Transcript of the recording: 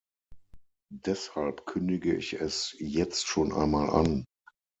Deshalb kündige ich es jetzt schon einmal an.